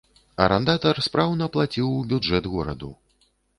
Арандатар спраўна плаціў у бюджэт гораду.